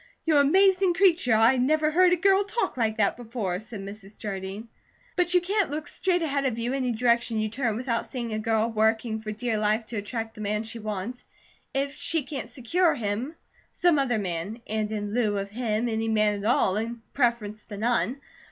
"You amazing creature! I never heard a girl talk like that before," said Mrs. Jardine. "But you can't look straight ahead of you any direction you turn without seeing a girl working for dear life to attract the man she wants; if she can't secure him, some other man; and in lieu of him, any man at all, in preference to none.